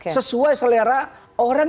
sesuai selera orang